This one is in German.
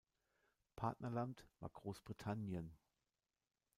Partnerland war Großbritannien.